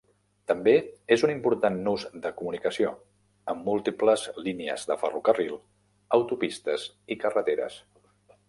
També és un important nus de comunicació, amb múltiples línies de ferrocarril, autopistes i carreteres.